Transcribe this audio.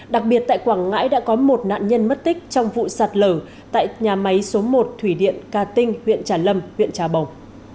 đặc biệt tại quảng ngãi đã có một nạn nhân mất tích trong vụ sạt lở tại nhà máy số một thủy điện ca tinh huyện trà lâm huyện trà bồng